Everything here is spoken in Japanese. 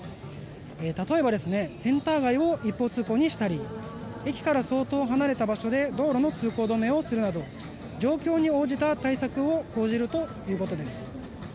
例えばセンター街を一方通行にしたり駅から相当離れた場所で道路の通行止めをするなど状況に応じた対策を講じるということです。